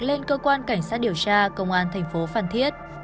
lên cơ quan cảnh sát điều tra công an thành phố phan thiết